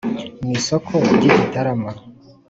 mu isoko ry’i gitarama